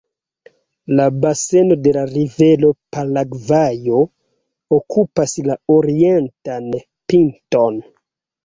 La baseno de la rivero Paragvajo okupas la orientan pinton.